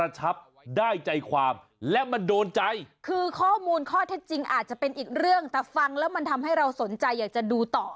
แต่ฟังแล้วมันทำให้เราสนใจอยากจะดูต่อ